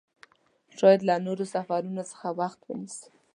شاید له نورو سفرونو څخه وخت ونیسي.